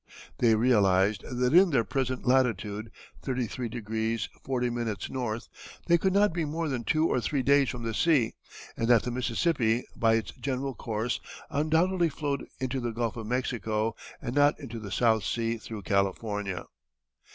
They realized that in their present latitude, 33° 40´ N., they could not be more than two or three days from the sea, and that the Mississippi, by its general course, undoubtedly flowed into the Gulf of Mexico, and not into the South Sea through California.